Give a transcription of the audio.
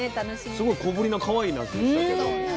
すごい小ぶりなかわいいなすでしたけども。